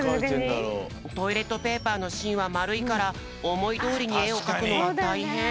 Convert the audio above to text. トイレットペーパーのしんはまるいからおもいどおりにえをかくのはたいへん。